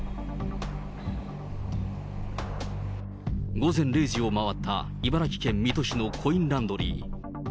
午前０時を回った、茨城県水戸市のコインランドリー。